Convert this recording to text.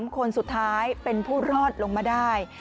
คนสุดท้ายเป็นผู้รอดลงมาได้